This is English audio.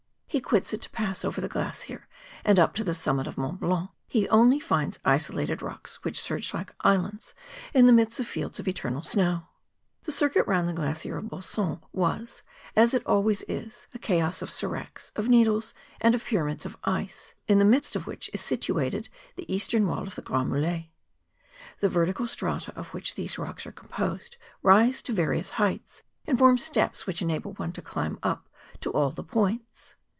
He quits it to pasfe over the glacier, and up to the summit of Mont Blanc he only finds isolated rocks which surge like islands in the midst of fields of eternal snow. The circuit round the glacier of Bossons was, as it always is, a chaos of seracs, of needles, and of pyramids of ice, in the midst of which is situated the eastern wall of the GTrands Mulets. The ver¬ tical strata of which these rocks are composed rise to various heights, and form steps which enable one to climb up to all the points.